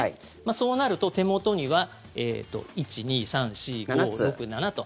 そうなると手元には１、２、３、４、５、６、７と。